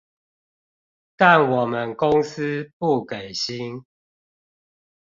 但我們公司不給薪